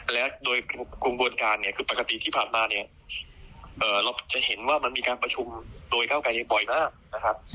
และโดยกระบวนการเนี่ยคือปกติที่ผ่านมาเนี่ยเราจะเห็นว่ามันมีการประชุมโดยเก้าไกรยังบ่อยมากนะครับ